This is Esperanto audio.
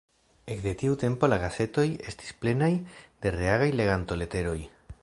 Ekde tiu tempo la gazetoj estis plenaj de reagaj legantoleteroj.